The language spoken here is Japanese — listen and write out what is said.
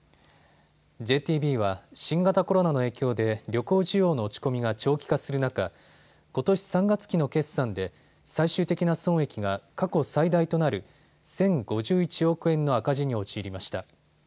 ＪＴＢは新型コロナの影響で旅行需要の落ち込みが長期化する中、ことし３月期の決算で最終的な損益が過去最大となる１０５１億円の赤字に陥りました。